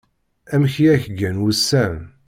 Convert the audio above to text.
Amek i ak-gan wussan.